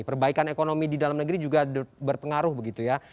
perbaikan ekonomi di dalam negeri juga berpengaruh begitu ya